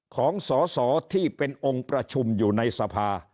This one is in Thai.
ของสอสอที่เป็นองค์ประชุมอยู่ในสภา